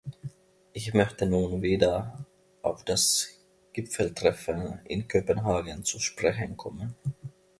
Ich möchte nun wieder auf das Gipfeltreffen in Kopenhagen zu sprechen kommen.